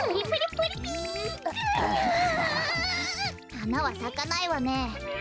はなはさかないわね。